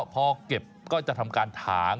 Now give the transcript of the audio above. พอเก็บก็จะทำการถาง